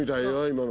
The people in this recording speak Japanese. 今の。